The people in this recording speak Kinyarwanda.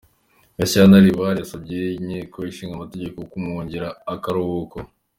Gashyantare: Buhari yasabye inteko ishinga amategeko kumwongerera akaruhuko.